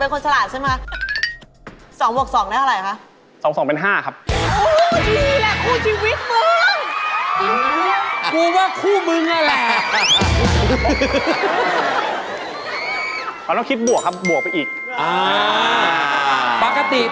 ขอถามก่อนเป็นคนฉลาดใช่ไหม